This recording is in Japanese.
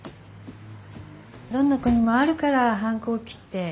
どんな子にもあるから反抗期って。